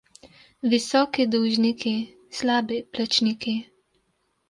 Visoki dolžniki, slabi plačniki.